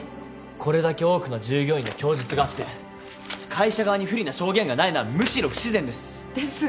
これだけ多くの従業員の供述があって会社側に不利な証言がないのはむしろ不自然です。ですが。